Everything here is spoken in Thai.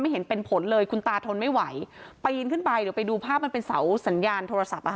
เห็นเป็นผลเลยคุณตาทนไม่ไหวปีนขึ้นไปเดี๋ยวไปดูภาพมันเป็นเสาสัญญาณโทรศัพท์อ่ะค่ะ